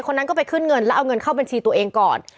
คนนั้นก็ไปขึ้นเงินแล้วเอาเงินเข้าบัญชีตัวเองก่อน